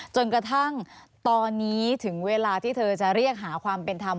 จนกระทั่งตอนนี้ถึงเวลาที่เธอจะเรียกหาความเป็นธรรม